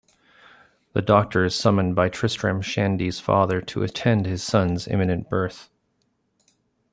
The doctor is summoned by Tristram Shandy's father to attend his son's imminent birth.